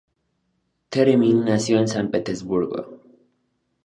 Theremin nació en San Petersburgo.